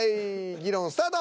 議論スタート。